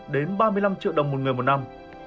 đến ba mươi năm triệu đồng một người một năm